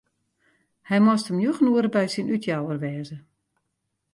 Hy moast om njoggen oere by syn útjouwer wêze.